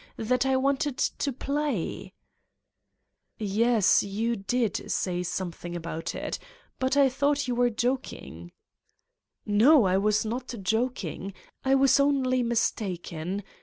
That I wanted to play?" 158 Satan's Diary "Yes, you did say something about it. But I thought you were joking. '' "No, I was not joking. I was only mistaken.